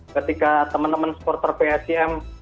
ketika teman teman supporter psim